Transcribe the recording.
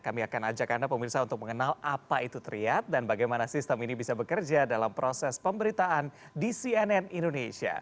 kami akan ajak anda pemirsa untuk mengenal apa itu triat dan bagaimana sistem ini bisa bekerja dalam proses pemberitaan di cnn indonesia